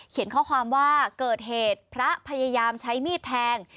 ข้อความว่าเกิดเหตุพระพยายามใช้มีดแทง